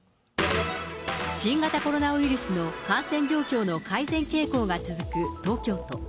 新型コロナウイルスの感染状況の改善傾向が続く東京都。